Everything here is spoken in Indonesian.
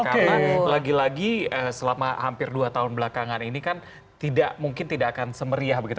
karena lagi lagi selama hampir dua tahun belakangan ini kan tidak mungkin tidak akan semeriah begitu